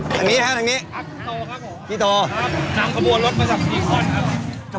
ทางนี้ฮะทางนี้ครับพี่โตครับพี่โตครับครับ